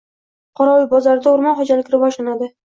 Qorovulbozorda o‘rmon xo‘jaligi rivojlanadi